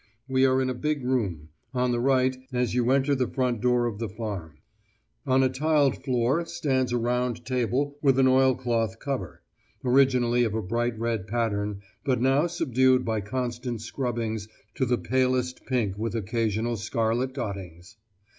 We are in a big room, on the right as you enter the front door of the farm: on a tiled floor stands a round table with an oilcloth cover, originally of a bright red pattern, but now subdued by constant scrubbings to the palest pink with occasional scarlet dottings.